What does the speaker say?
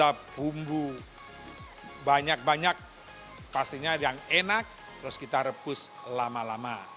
kita bumbu banyak banyak pastinya yang enak terus kita rebus lama lama